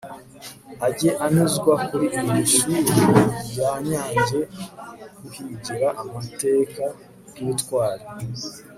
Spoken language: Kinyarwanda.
ajye anyuzwa kuri iryo shuri rya nyange kuhigira amateka y'ubutwari